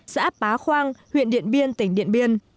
xã pá khoang huyện điện biên tỉnh điện biên